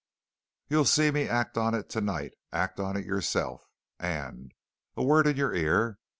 You'll see me act on it tonight act on it yourself. And a word in your ear!